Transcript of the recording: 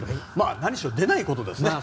何しろ、出ないことですね。